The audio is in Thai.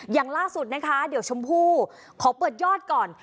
อย่างล่าสุดนะคะเดี๋ยวชมพู่ขอเปิดยอดก่อน